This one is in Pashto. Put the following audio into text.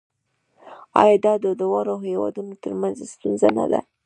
آیا دا د دواړو هیوادونو ترمنځ ستونزه نه ده؟